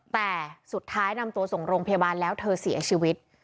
แต่สุดท้ายนำตัวส่งโรงพยาบาลแล้วเธอเสียชีวิต